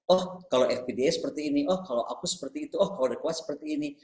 oh kalau fpda seperti ini oh kalau aku seperti itu oh kalau udah kuat seperti ini